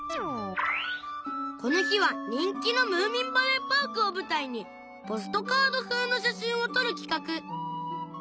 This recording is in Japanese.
この日は人気のムーミンバレーパークを舞台にポストカード風の写真を撮る企画